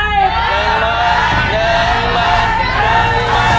เยอะมาก